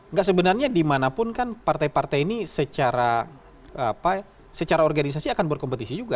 enggak sebenarnya dimanapun kan partai partai ini secara organisasi akan berkompetisi juga